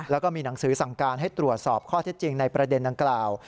แล้วก็มีหนังสือสั่งการให้ตรวจสอบข้อเท็จจริงในประเด็นดังกล่าว